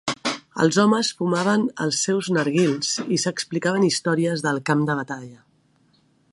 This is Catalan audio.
Els homes fumaven els seus narguils i s'explicaven històries del camp de batalla.